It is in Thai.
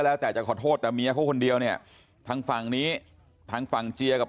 แล้วแต่จะขอโทษแต่เมียเขาคนเดียวเนี่ยทางฝั่งนี้ทางฝั่งเจียกับ